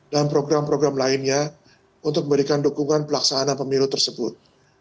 dan program program lainnya untuk memberikan dukungan pelaksanaan pemilu tersebut